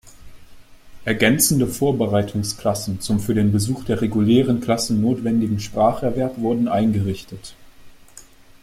Ergänzende Vorbereitungsklassen zum für den Besuch der regulären Klassen notwendigen Spracherwerb wurden eingerichtet.